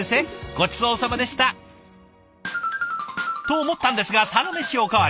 ごちそうさまでした。と思ったんですがサラメシお代わり。